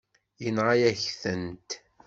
Yenɣa-yaɣ-tent.